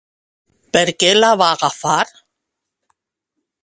Per què la va agafar?